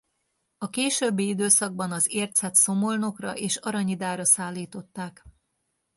A későbbi időszakban az ércet Szomolnokra és Aranyidára szállították.